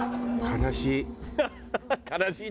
悲しい。